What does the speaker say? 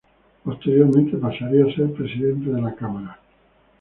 Posteriormente pasaría a ser Presidente de la Cámara.